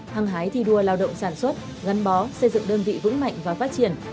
hăng hái thi đua lao động sản xuất gắn bó xây dựng đơn vị vững mạnh và phát triển